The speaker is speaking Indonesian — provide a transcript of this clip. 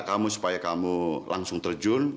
kamu supaya kamu langsung terjun